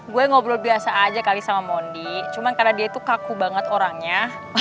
gue ngobrol biasa aja kali sama mondi cuma karena dia itu kaku banget orangnya